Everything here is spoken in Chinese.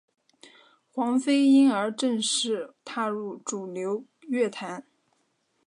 黄妃因而正式踏入主流乐坛。